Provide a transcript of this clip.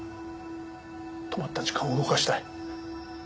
止まった時間を動かしたい。